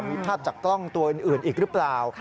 มีภาพจากกล้องตัวอื่นอีกหรือเปล่า